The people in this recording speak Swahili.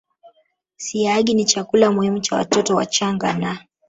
Siagi ni chakula muhimu cha watoto wachanga na